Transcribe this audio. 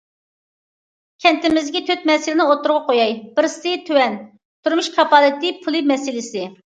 كەنتىمىزدىكى تۆت مەسىلىنى ئوتتۇرىغا قوياي: بىرسى، تۆۋەن تۇرمۇش كاپالىتى پۇلى مەسىلىسى.